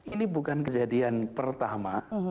ini bukan kejadian pertama